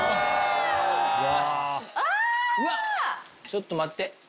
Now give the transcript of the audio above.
ちょっと待って。